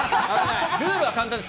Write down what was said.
ルールは簡単です。